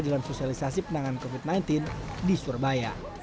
dengan sosialisasi penanganan covid sembilan belas di surabaya